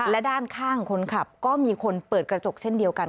และด้านข้างคนขับก็มีคนเปิดกระจกเช่นเดียวกัน